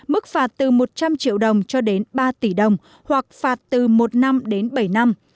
mức phạt từ một trăm linh triệu đồng cho đến ba tỷ đồng hoặc phạt từ một năm đến bảy năm